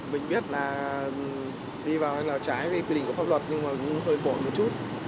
mình biết là đi vào làn lào trái vì quy định của pháp luật nhưng mà hơi cổ một chút